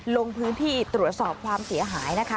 ลงพื้นที่ตรวจสอบความเสียหายนะคะ